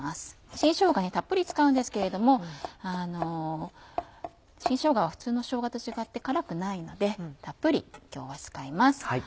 新しょうがたっぷり使うんですけれども新しょうがは普通のしょうがと違って辛くないのでたっぷり今日は使います。